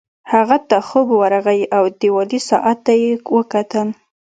هغه ته خوب ورغی او دیوالي ساعت ته یې وکتل